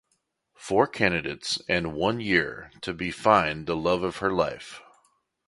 Four candidates and one year to be find the love of her life.